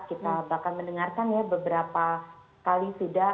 kita bahkan mendengarkan ya beberapa kali sudah